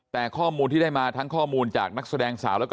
แต่ข้อมูลที่ได้มาทั้งข้อมูลจากนักแสดงสาวแล้วก็